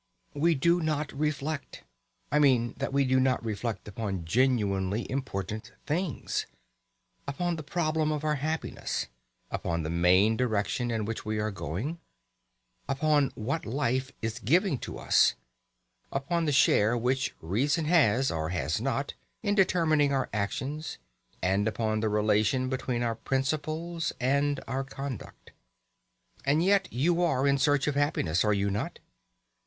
We do not reflect. I mean that we do not reflect upon genuinely important things; upon the problem of our happiness, upon the main direction in which we are going, upon what life is giving to us, upon the share which reason has (or has not) in determining our actions, and upon the relation between our principles and our conduct. And yet you are in search of happiness, are you not?